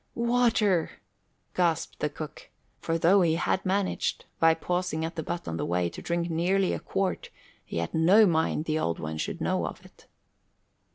"Water!" gasped the cook. For though he had managed, by pausing at the butt on his way, to drink nearly a quart, he had no mind the Old One should know of it.